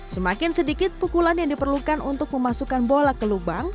semakin sedikit pukulan yang diperlukan untuk memasukkan bola ke lubang